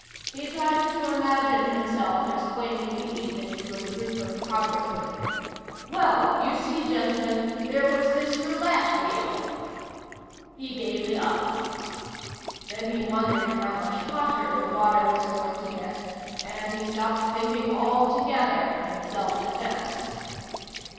He tried to imagine himself explaining the evening to a group of Congressmen. "Well, you see, gentlemen, there was this roulette wheel " He gave it up. Then he wondered how much hotter the water was going to get, and he stopped thinking altogether in self defense.